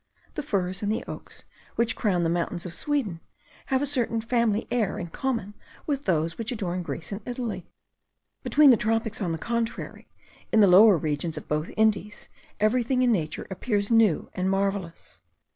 The firs and the oaks which crown the mountains of Sweden have a certain family air in common with those which adorn Greece and Italy. Between the tropics, on the contrary, in the lower regions of both Indies, everything in nature appears new and marvellous.